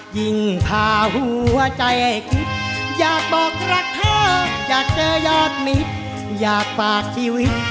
ยิ่งพาหัวใจคิด